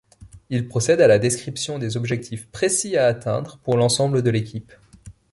Il procède à la description des objectifs précis à atteindre pour l'ensemble de l'équipe.